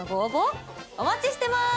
お待ちしてます。